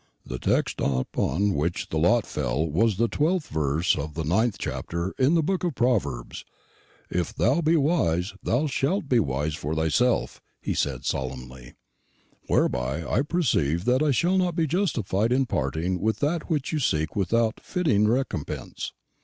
"The text upon which the lot fell was the 12th verse of the 9th chapter in the Book of Proverbs, 'If thou be wise, thou shalt be wise for thyself,'" he said solemnly; "whereby I perceive that I shall not be justified in parting with that which you seek without fitting recompense.